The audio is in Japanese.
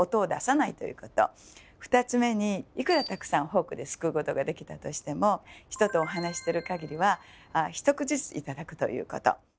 ２つ目にいくらたくさんフォークですくうことができたとしても人とお話しするかぎりは一口ずつ頂くということ。